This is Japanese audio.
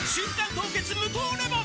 凍結無糖レモン」